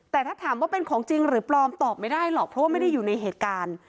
แต่ถ้าถามว่าเป็นของจริงหรือปลอมตอบไม่ได้หรอกเพราะว่าไม่ได้อยู่ในเหตุการณ์